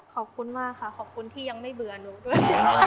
ขอบคุณมากค่ะขอบคุณที่ยังไม่เบื่อหนูด้วย